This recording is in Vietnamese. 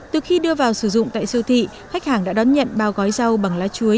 từ khi đưa vào sử dụng tại siêu thị khách hàng đã đón nhận bao gói rau bằng lá chuối